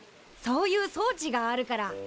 そういう装置があるから。